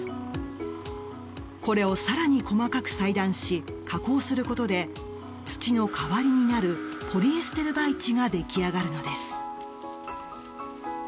これを更に細かく裁断し加工することで土の代わりになるポリエステル媒地が出来上がるのです。